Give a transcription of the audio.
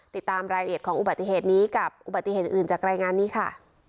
ติดตามรายละเอียดของอุบัติเหตุนี้กับอุบัติเหตุอื่นจากรายงานนี้ค่ะ